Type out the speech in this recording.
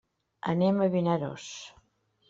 Anem a Vinaròs.